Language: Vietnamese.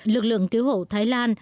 lực lượng cứu hộ thái lan